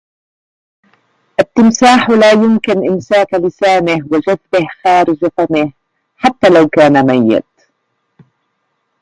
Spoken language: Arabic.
التمساح لا يمكن إمساك لسانه وجذبه خارج فمه حتى لو كان ميت.